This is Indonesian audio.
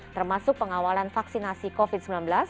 termasuk pengawalan vaksinasi covid sembilan belas